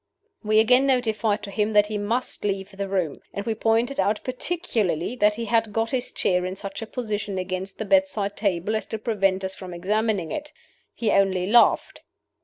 We again notified to him that he must leave the room; and we pointed out particularly that he had got his chair in such a position against the bedside table as to prevent us from examining it. He only laughed.